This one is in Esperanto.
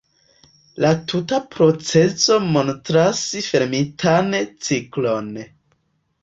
La tuta procezo montras fermitan ciklon.